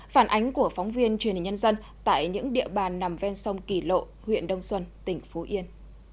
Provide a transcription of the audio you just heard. phản ánh của phóng viên truyền hình nhân dân tại những địa bàn nằm ven sông kỳ lộ huyện đông xuân tỉnh phú yên